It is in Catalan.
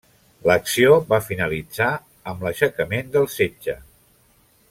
L'acció va finalitzar amb l'aixecament del setge.